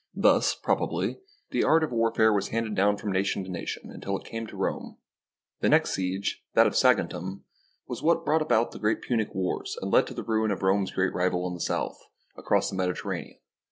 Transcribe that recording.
Thus, probably, the art of warfare was handed down from nation to nation until it came to Rome. The next siege, that of Saguntum, was what SIEGE OF TYRE brought about the great Punic wars and led to the ruin of Rome's great rival on the south, across the Mediterranean.